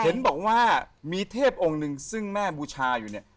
เห็นบอกว่ามีเทพองค์หนึ่งซึ่งแม่บูชาอยู่เนี่ย